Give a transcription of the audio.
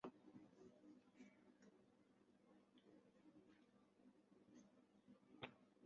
归纳论证从来就不是有约束力的但它们可以是有说服力的。